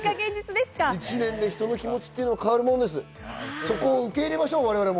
一年で人の気持ちって変わるもので、そこを受け入れましょう我々も。